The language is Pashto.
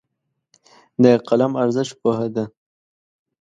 د قلم ارزښت پوهه ده.